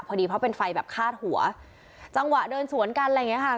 พอดีเพราะเป็นไฟแบบคาดหัวจังหวะเดินสวนกันอะไรอย่างเงี้ค่ะ